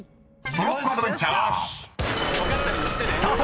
［トロッコアドベンチャースタート！］